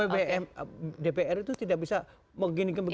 bumn dpr itu tidak bisa begini begini